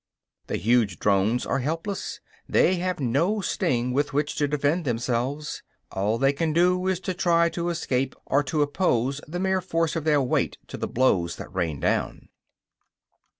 The huge drones are helpless; they have no sting with which to defend themselves; all they can do is to try to escape, or to oppose the mere force of their weight to the blows that rain down.